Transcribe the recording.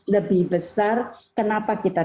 lebih besar kenapa kita